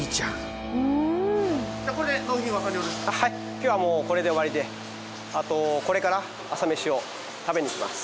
今日はもうこれで終わりであとこれから朝メシを食べに行きます。